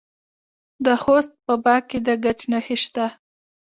د خوست په باک کې د ګچ نښې شته.